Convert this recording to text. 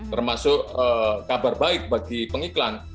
termasuk kabar baik bagi pengiklan